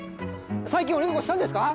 最近鬼ごっこしたんですか？